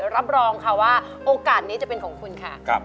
รับรองค่ะว่าโอกาสนี้จะเป็นของคุณค่ะ